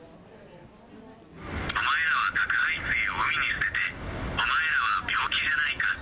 お前らは核排水を海に捨てて、お前らは病気じゃないか。